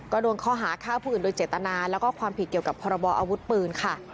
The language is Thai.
ก็โดนข้อหาฆ่าผู้อื่นโดยเจตนาแล้วก็ความผิดเกี่ยวกับพรบออาวุธปืนค่ะ